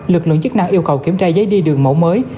lực lượng chức năng yêu cầu kiểm tra giấy đi đường mẫu mới